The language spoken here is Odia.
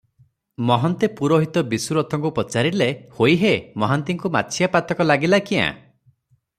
ମହନ୍ତେ ପୁରୋହିତ ବିଶୁ ରଥଙ୍କୁ ପଚାରିଲେ, "ହୋଇ ହୋ, ମହାନ୍ତିଙ୍କୁ ମାଛିଆ ପାତକ ଲାଗିଲା କ୍ୟାଁ?